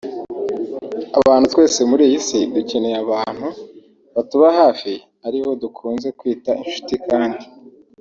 Abantu twese muri iyi si dukeneye abantu batuba hafi aribo dukunze kwita inshuti kandi